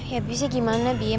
ya tapi sih gimana bima